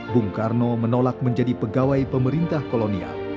bung karno menolak menjadi pegawai pemerintah kolonial